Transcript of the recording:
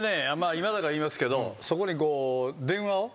今だから言いますけどそこに電話を。